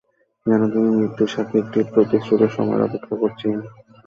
যেন তিনি মৃত্যুর সাথে একটি প্রতিশ্রুত সময়ের অপেক্ষা করছিলেন।